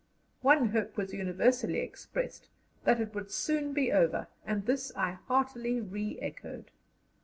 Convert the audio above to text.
One hope was universally expressed, that it would soon be over, and this I heartily re echoed.